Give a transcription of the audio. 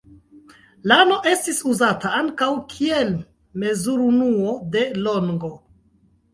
Lano estis uzata ankaŭ kiel mezurunuo de longo.